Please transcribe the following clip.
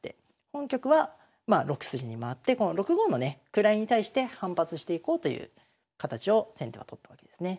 本局はまあ６筋に回ってこの６五のね位に対して反発していこうという形を先手は取ったわけですね。